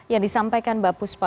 yang disampaikan mbak puspa